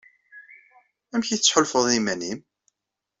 Amek i tettḥulfuḍ i yiman-im?